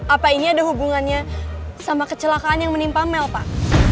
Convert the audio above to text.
apa ini ada hubungannya sama kecelakaan yang menimpa mel pak